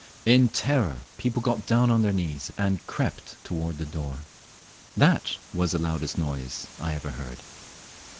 In terror people got down on their knees and crept toward the door. That was the loudest noise I ever heard.